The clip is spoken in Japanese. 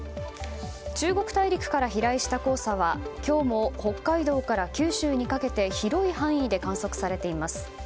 中国大陸から飛来した黄砂は今日も北海道から九州にかけて広い範囲で観測されています。